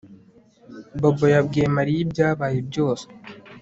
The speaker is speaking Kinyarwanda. Bobo yabwiye Mariya ibyabaye byose